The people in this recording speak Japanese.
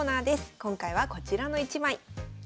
今回はこちらの１枚。